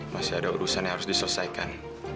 masih ada urusan yang harus diselesaikan